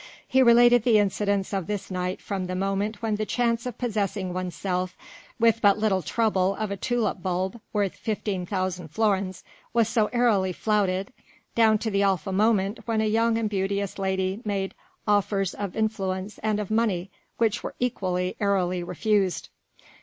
He related the incidents of this night from the moment when the chance of possessing oneself with but little trouble of a tulip bulb worth fifteen thousand florins was so airily flouted, down to the awful moment when a young and beauteous lady made offers of influence and of money which were equally airily refused.